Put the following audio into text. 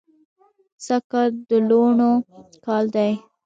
سږ کال د لوڼو کال دی